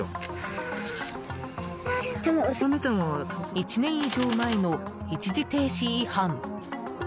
１年以上前の一時停止違反。